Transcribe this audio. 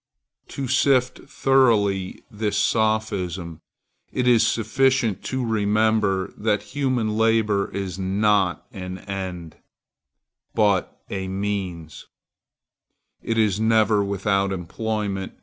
To sift thoroughly this sophism, it is sufficient to remember that human labor is not an end, but a means. _It is never without employment.